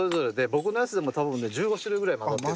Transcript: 僕のやつでも多分ね１５種類ぐらい混ざってる。